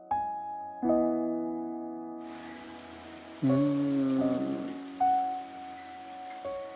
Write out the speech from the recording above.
うん。